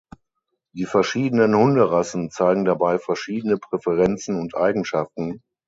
Die verschiedenen Hunderassen zeigen dabei verschiedene Präferenzen und Eigenschaften.